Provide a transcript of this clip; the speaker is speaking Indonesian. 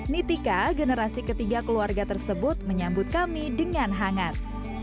nitika generasi ketiga keluarga tersebut menyambut kami dengan hangat